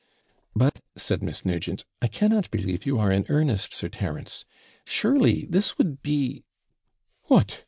'But,' said Miss Nugent, 'I cannot believe you are in earnest, Sir Terence. Surely this would be ' 'What?